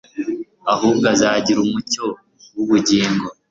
ahubwo azagira umucyo w'ubugingo."